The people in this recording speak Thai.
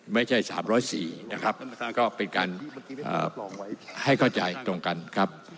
ไม่ใช่๓๐๔นะครับก็เป็นการให้เข้าใจตรงกันครับ